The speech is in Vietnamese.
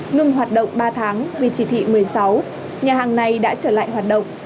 ngừng hoạt động ba tháng vì chỉ thị một mươi sáu nhà hàng này đã trở lại hoạt động